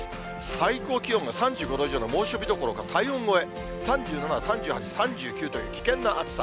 最高気温が３５度以上の猛暑日どころか、体温超え、３７、３８、３９という危険な暑さ。